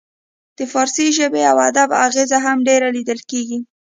د فارسي ژبې او ادب اغیزه هم ډیره لیدل کیږي